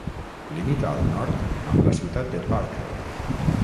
Limita al nord amb la ciutat de Parker.